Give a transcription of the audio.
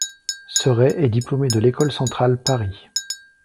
Seret est diplômé de l'École centrale Paris.